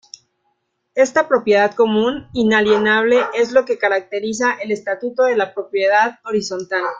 Esta "propiedad común" inalienable es lo que caracteriza el estatuto de la propiedad horizontal.